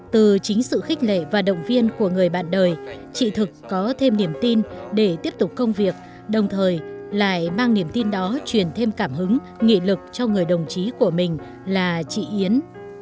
từ chính sự khích lệ và động viên của người bạn đời chị thực có thêm niềm tin để tiếp tục công việc đồng thời lại mang niềm tin đó truyền thêm cảm hứng nghị lực cho người đồng chí của mình là chị yến